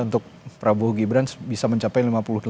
untuk prabowo gibran bisa mencapai lima puluh delapan lima puluh sembilan